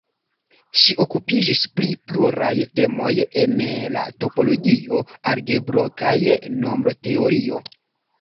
Ŝi okupiĝis pri pluraj temoj en la topologio, algebro kaj nombroteorio.